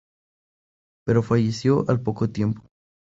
Pero falleció al poco tiempo.